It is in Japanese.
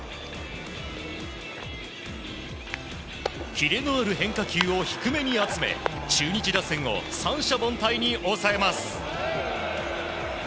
キレのある変化球を低めに集め中日打線を三者凡退に抑えます。